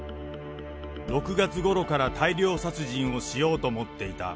６月ごろから大量殺人をしようと思っていた。